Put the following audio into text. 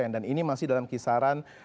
dan ini masih dalam kisaran